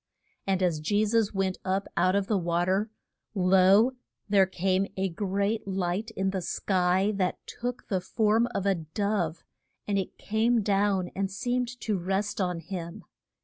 And as Je sus went up out of the wa ter, lo, there came a great light in the sky, that took the form of a dove, and it came down and seemed to rest on him.